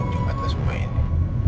penjagaan semua ini